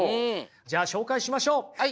じゃあ紹介しましょう。